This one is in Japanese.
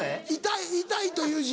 「痛い」という字？